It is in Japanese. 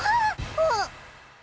あっ！